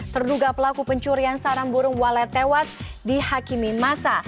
terduga pelaku pencurian sarang burung walet tewas di hakimi masa